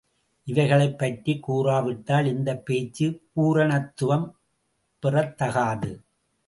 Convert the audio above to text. இவைகளைப் பற்றிக் கூறாவிட்டால் இந்தப் பேச்சு பூரணத்வம் பெற்றதாகாது.